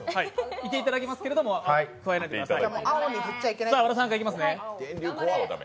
いていただきますけど加えないでください。